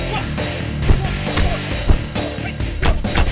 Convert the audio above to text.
waalaikumsalam ya nak